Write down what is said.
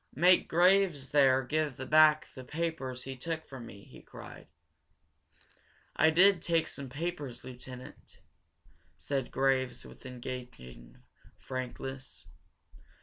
"Make Graves there give back the papers he took from me!" he cried. "I did take some papers, lieutenant," said Graves, with engaging frankness.